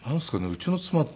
うちの妻って。